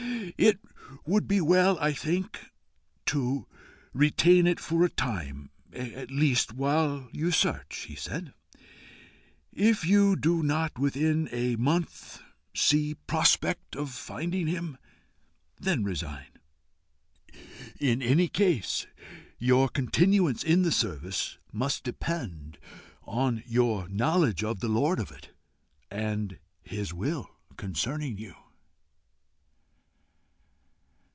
"It would be well, I think, to retain it for a time at least while you search," he said. "If you do not within a month see prospect of finding him, then resign. In any case, your continuance in the service must depend on your knowledge of the lord of it, and his will concerning you."